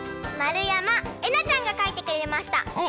まるやまえなちゃんがかいてくれました。